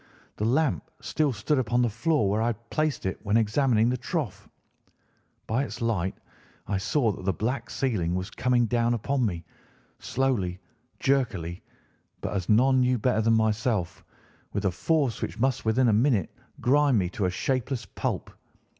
The lamp still stood upon the floor where I had placed it when examining the trough. By its light I saw that the black ceiling was coming down upon me, slowly, jerkily, but, as none knew better than myself, with a force which must within a minute grind me to a shapeless pulp.